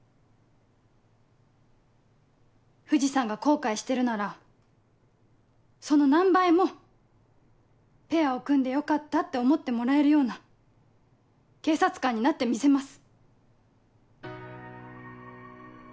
藤さんが後悔してるならその何倍もペアを組んでよかったって思ってもらえるような警察官になってみせます。